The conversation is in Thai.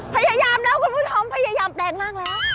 พยายามแล้วคุณผู้ชมพยายามแปลงมากแล้ว